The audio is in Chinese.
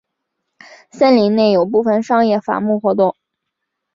森林内有部分商业伐木活动。